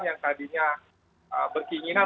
yang tadinya berkeinginan